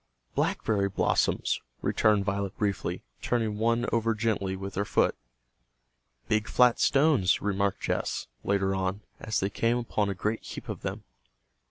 "Blackberry blossoms!" returned Violet briefly, turning one over gently with her foot. "Big flat stones!" remarked Jess, later on, as they came upon a great heap of them.